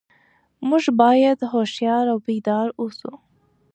موږ باید هوښیار او بیدار اوسو.